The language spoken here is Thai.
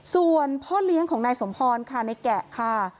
ส่วนพ่อเลี้ยงของนายสมพรค่ะในแกะค่ะ